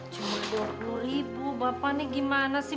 cuma dua puluh ribu bapak ini gimana sih